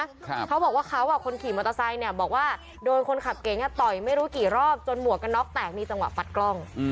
เขาบอกว่าเขาอ่ะคนขี่มอเตอร์ไซค์เนี่ยบอกว่าโดนคนขับเก๋งอ่ะต่อยไม่รู้กี่รอบจนหมวกกันน็อกแตกมีจังหวะปัดกล้องอืม